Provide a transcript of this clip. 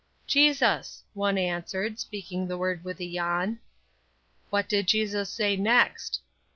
"Jesus," one answered, speaking the word with a yawn. "What did Jesus say next?"